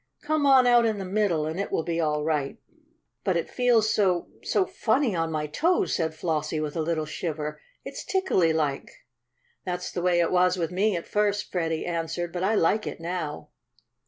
Come on out in the middle and it will be all right." "But it feels so so funny on my toes!" said Flossie, with a little shiver. "It's tickly like." "That's the way it was with me at first," Freddie answered. "But I like it now."